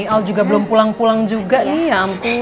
al juga belum pulang pulang juga nih ya ampun